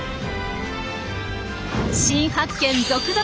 新発見続々！